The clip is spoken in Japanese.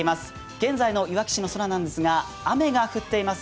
現在のいわき市の空なんですが、雨が降っています。